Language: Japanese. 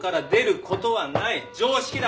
常識だ。